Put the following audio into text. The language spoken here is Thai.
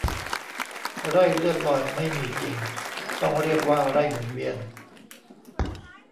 ไร่เลื่อนลอยไม่มีจริง ต้องเรียกว่าไร่หมุนเวียน